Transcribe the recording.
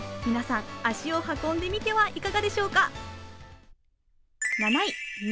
皆さん足を運んでみてはいかがでしょうか？